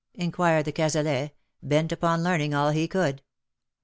inquired de Cazalet,, bent upon learning all he could.